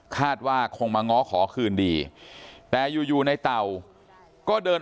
คาดว่าคงมาง้อขอคืนดีแต่อยู่อยู่ในเต่าก็เดิน